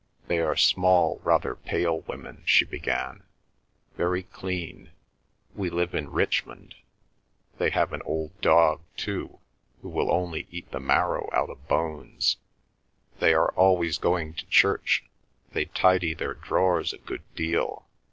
"They are small, rather pale women," she began, "very clean. We live in Richmond. They have an old dog, too, who will only eat the marrow out of bones. ... They are always going to church. They tidy their drawers a good deal."